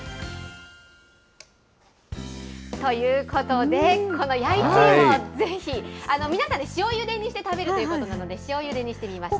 ということで、この弥一芋、ぜひ、皆さん、塩ゆでにして食べるということなので、塩ゆでにしてみました。